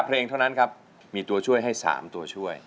เพลงเท่านั้นครับมีตัวช่วยให้๓ตัวช่วย